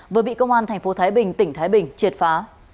vừa bị công an thành phố thái bình tỉnh thái bình triệt phá